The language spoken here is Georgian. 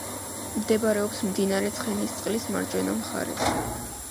მდებარეობს მდინარე ცხენისწყლის მარჯვენა მხარეს.